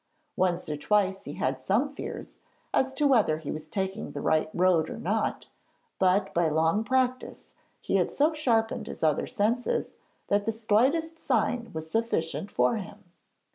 Once or twice he had some fears as to whether he was taking the right road or not, but by long practice he had so sharpened his other senses that the slightest sign was sufficient for him.